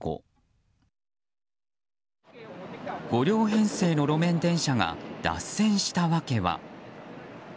３両編成の路面電車が脱線したわけは。